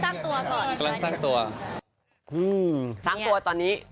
สร้างตัวก่อนใช่สร้างตัวสร้างตัวตอนนี้